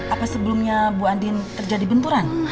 apa sebelumnya bu andin terjadi benturan